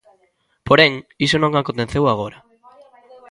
Porén, iso non aconteceu agora.